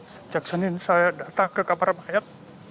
sejak senin saya datang ke kapar bayat